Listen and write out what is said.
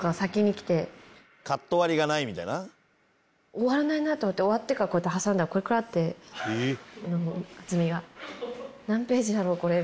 終わらないと思って終わってからこうやって挟んだらこれくらいあって厚みが。